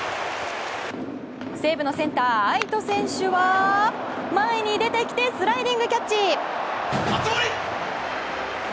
西武のセンター、愛斗選手は前に出てきてスライディングキャッチ！